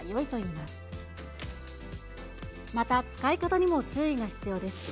また使い方にも注意が必要です。